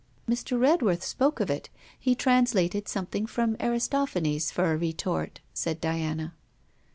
'Mr. Redworth spoke of it: he translated something from Aristophanes for a retort,' said Diana.